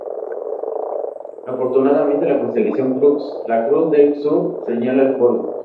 Afortunadamente, la constelación Crux, La Cruz del Sur, señala el polo.